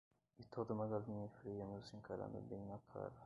E toda uma galinha fria nos encarando bem na cara.